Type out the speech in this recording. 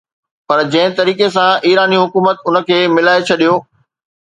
پر جنهن طريقي سان ايراني حڪومت ان کي ملائي ڇڏيو